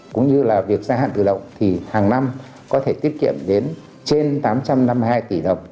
cũng như là việc gia hạn tự động thì hàng năm có thể tiết kiệm đến trên tám trăm năm mươi hai tỷ đồng